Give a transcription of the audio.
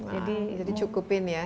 jadi cukupin ya